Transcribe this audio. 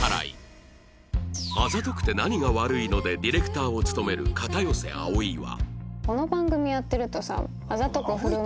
『あざとくて何が悪いの？』でディレクターを務める片寄葵は